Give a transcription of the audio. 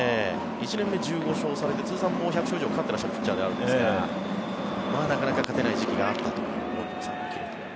１年目１５勝されて通算１００勝以上勝ってらっしゃるんですがなかなか勝てない時期があったという記録が。